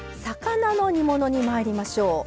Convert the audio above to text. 魚の煮物にまいりましょう。